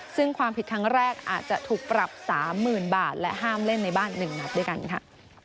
ซึ่งความผิดครั้งแรกอาจจะถูกปรับ๓๐๐๐บาทและห้ามเล่นในบ้าน๑นัดด้วยกันค่ะ